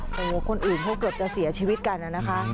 โอ้โหคนอื่นเขาเกือบจะเสียชีวิตกันนะคะ